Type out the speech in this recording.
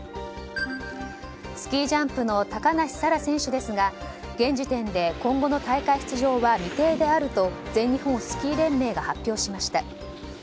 スキージャンプの高梨沙羅選手ですが現時点で今後の大会出場は未定であると全日本スキー連盟が発表しました。